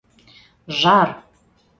Жар!